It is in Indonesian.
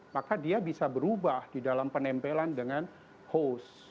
maka dia bisa berubah di dalam penempelan dengan host